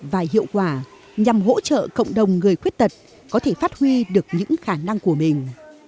và hiệu quả nhằm hỗ trợ cộng đồng người khuyết tật có thể phát huy được những khả năng của mình